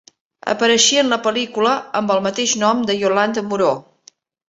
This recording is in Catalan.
Apareixia en la pel·lícula amb el mateix nom de Yolande Moreau.